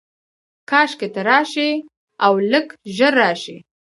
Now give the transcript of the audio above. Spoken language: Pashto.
کاشکي ته راشې، اولږ ژر راشې